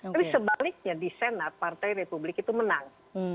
tapi sebaliknya di senat partai republik itu menang